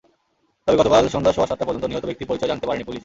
তবে গতকাল সন্ধ্যা সোয়া সাতটা পর্যন্ত নিহত ব্যক্তির পরিচয় জানতে পারেনি পুলিশ।